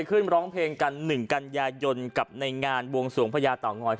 คนรองคู่หูดูโอ้